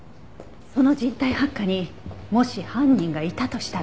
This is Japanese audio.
この人体発火にもし犯人がいたとしたら。